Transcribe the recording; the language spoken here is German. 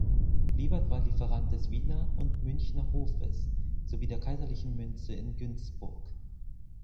Liebert war Lieferant des Wiener und Münchner Hofes sowie der kaiserlichen Münze in Günzburg.